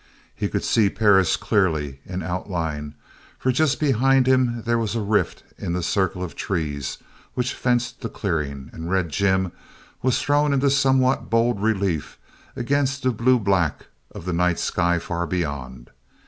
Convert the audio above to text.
He could see Perris clearly, in outline, for just behind him there was a rift in the circle of trees which fenced the clearing and Red Jim was thrown into somewhat bold relief against the blue black of the night sky far beyond.